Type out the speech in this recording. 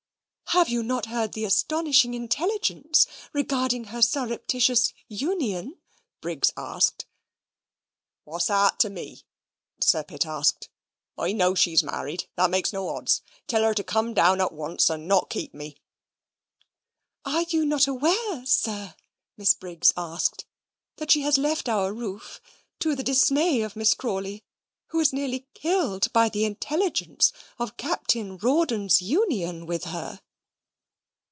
"Have you not heard the astonishing intelligence regarding her surreptitious union?" Briggs asked. "What's that to me?" Sir Pitt asked. "I know she's married. That makes no odds. Tell her to come down at once, and not keep me." "Are you not aware, sir," Miss Briggs asked, "that she has left our roof, to the dismay of Miss Crawley, who is nearly killed by the intelligence of Captain Rawdon's union with her?"